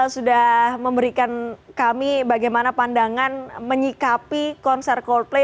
sudah memberikan kami bagaimana pandangan menyikapi konser coldplay